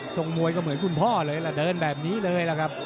มวยก็เหมือนคุณพ่อเลยล่ะเดินแบบนี้เลยล่ะครับ